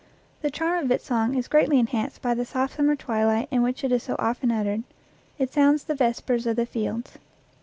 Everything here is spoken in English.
The charm of its song is greatly enhanced by the soft summer twilight in which it is so often uttered; it sounds the vespers of the fields.